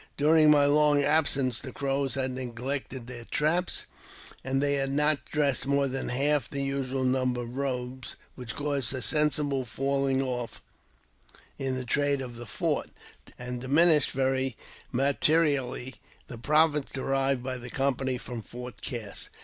During my long absence the Crows had neglected their traps, and they had not dressed more than half the usual number of robes, which caused a sensible falling off in the trade of the fort, and diminished very materially the profits derived by the company from Fort Cass.